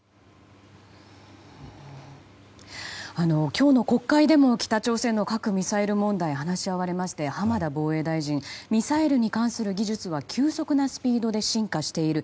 今日の国会でも北朝鮮の核・ミサイル問題話し合われまして浜田防衛大臣ミサイルに関する技術は急速なスピードで進化している。